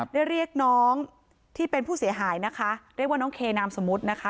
เรียกน้องที่เป็นผู้เสียหายนะคะเรียกว่าน้องเคนามสมมุตินะคะ